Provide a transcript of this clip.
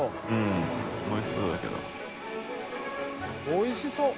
おいしそう！